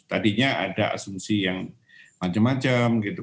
tadinya ada asumsi yang macam macam gitu